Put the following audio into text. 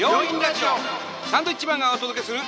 サンドウィッチマンがお届けする。